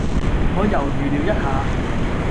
我猶豫了一下